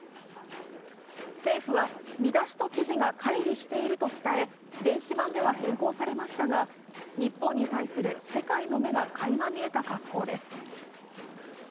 政府は見出しと記事がかい離していると伝え電子版では変更されましたが、日本に対する世界の目がかいま見えた格好です。